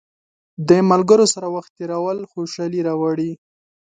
د ملګرو سره وخت تېرول خوشحالي راوړي.